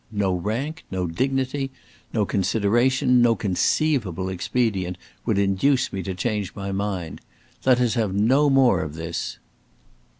No rank, no dignity, no consideration, no conceivable expedient would induce me to change my mind. Let us have no more of this!"